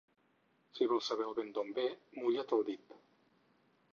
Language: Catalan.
Si vols saber el vent d'on ve, mulla't el dit.